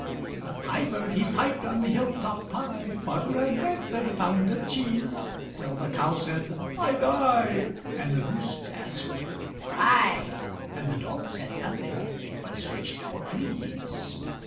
The piper he piped on the hill top high, (Butter and eggs and a pound of cheese) Till the cow said "I die," and the goose asked "Why?" And the dog said nothing, but searched for fleas.